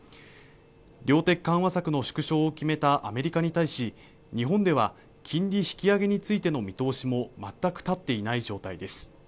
量的緩和策の縮小を決めたアメリカに対し日本では金利引き上げについての見通しも全く立っていない状態です